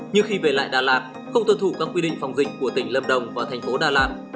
nhưng khi về lại đà lạt không tuân thủ các quy định phòng dịch của tỉnh lâm đồng và tp đà lạt